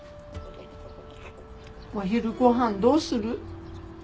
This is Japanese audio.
お昼ご飯どうする？